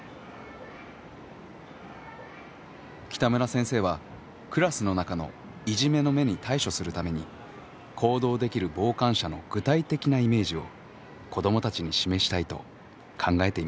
北村先生はクラスの中のいじめの芽に対処するために行動できる傍観者の具体的なイメージを子どもたちに示したいと考えていました。